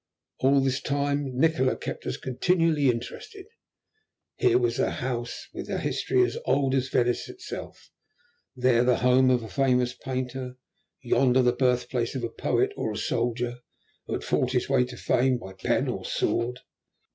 All this time Nikola kept us continually interested. Here was a house with a history as old as Venice itself; there the home of a famous painter; yonder the birthplace of a poet or a soldier, who had fought his way to fame by pen or by sword.